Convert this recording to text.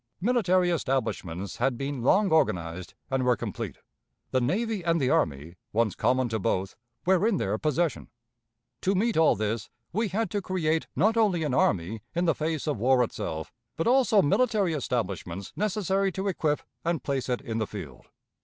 Military establishments had been long organized, and were complete; the navy and the army, once common to both, were in their possession. To meet all this we had to create not only an army in the face of war itself, but also military establishments necessary to equip and place it in the field.